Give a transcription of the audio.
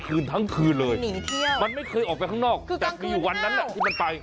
คือกลางคืนเที่ยวตอนเช้าเลยหลับคือกลางคืนเที่ยวแต่มีอยู่วันนั้นแหละที่มันไป